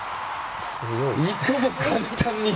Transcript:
いとも簡単に。